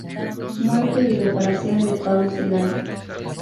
Muerte y reparación de Paul Celan".